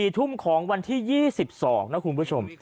๔ทุ่มของวันที่๒๒นะคุณผู้ชม